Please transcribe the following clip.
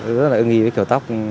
rất là ưng ý với kiểu tóc